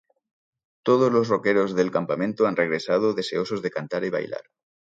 Todos los roqueros del campamento han regresado, deseosos de cantar y bailar.